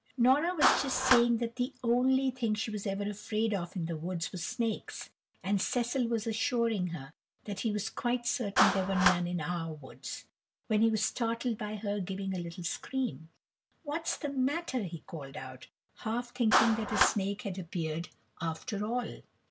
Nora was just saying that the only thing she was ever afraid of in the woods was "snakes," and Cecil was assuring her that he was quite certain there were none in "our woods," when he was startled by her giving a little scream. "What's the matter?" he called out, half thinking that a snake had appeared after all.